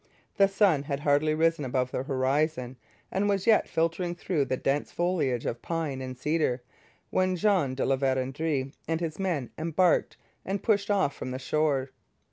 The sun had hardly risen above the horizon and was yet filtering through the dense foliage of pine and cedar, when Jean de La Vérendrye and his men embarked and pushed off from the shore.